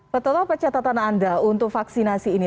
betul apa catatan anda untuk vaksinasi ini